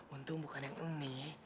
untung bukan yang ini